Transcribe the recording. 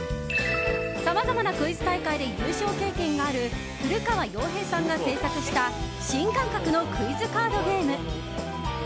さまざまなクイズ大会で優勝経験がある古川洋平さんが制作した新感覚のクイズカードゲーム。